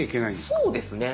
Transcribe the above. そうですね。